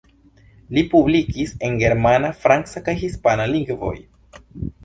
Li publikis en germana, franca kaj hispana lingvoj.